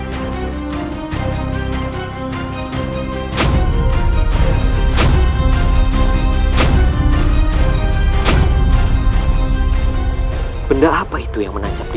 hai hai benda apa itu yang menancap di